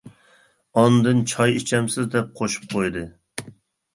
ئاندىن «چاي ئىچەمسىز؟ » دەپ قوشۇپ قويدى.